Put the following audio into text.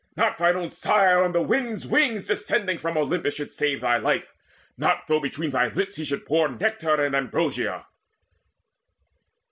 Not thine own sire, On the wind's wings descending from Olympus, Should save thy life, not though between thy lips He should pour nectar and ambrosia!"